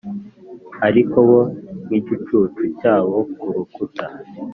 ariko bo, nk'igicucu cyabo ku rukuta,